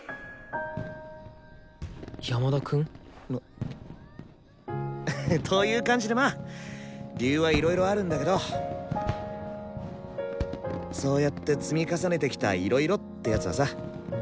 山田くん？という感じでまあ理由はいろいろあるんだけどそうやって積み重ねてきた「いろいろ」ってやつはさ